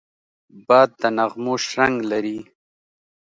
باد د نغمو شرنګ لري